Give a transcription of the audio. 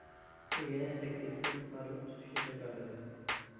ئۇ يەنە سەككىز كۈن قارىلىق تۇتۇشنى جاكارلىدى.